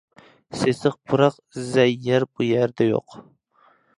سېسىق پۇراق، زەي يەر بۇ يەردە يوق.